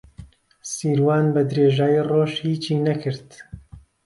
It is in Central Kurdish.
سیروان بەدرێژایی ڕۆژ هیچی نەکرد.